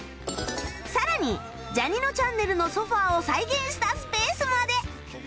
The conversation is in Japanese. さらにジャにのちゃんねるのソファを再現したスペースまで